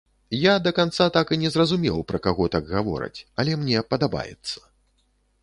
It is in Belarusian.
Я да канца так і не зразумеў, пра каго так гавораць, але мне падабаецца.